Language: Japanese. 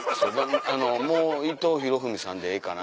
もう伊藤博文さんでええかな。